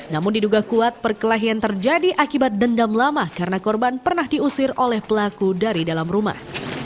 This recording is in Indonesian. namun diduga kuat perkelahian terjadi akibat dendam lama karena korban pernah diusir oleh pelaku dari dalam rumah